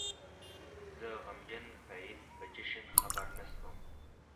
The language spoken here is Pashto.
زه غمجن په عيد په جشن خبر نه شوم